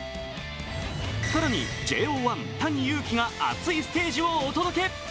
更にＪＯ１、ＴａｎｉＹｕｕｋｉが熱いステージをお届け。